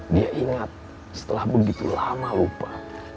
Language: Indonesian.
dia ingat setelah begitu lama lupa